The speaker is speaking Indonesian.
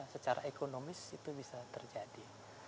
secara ekonomis itu bisa terjadi